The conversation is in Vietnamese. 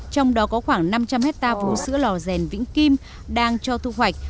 trong đó có khoảng năm trăm linh hectare vố sữa lò rèn vĩnh kim đang cho thu hoạch